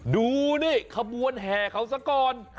ดูนี่ขบวนแห่เขาซะก่อน